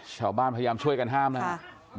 ชาวบ้านพยายามช่วยกันห้ามนะครับ